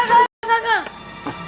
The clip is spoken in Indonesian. eh tahan tahan tahan